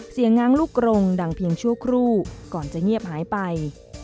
ง้างลูกกรงดังเพียงชั่วครู่ก่อนจะเงียบหายไป